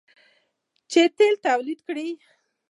چې تیل تولید کړي.